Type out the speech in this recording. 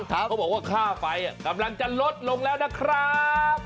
เขาบอกว่าค่าไฟกำลังจะลดลงแล้วนะครับ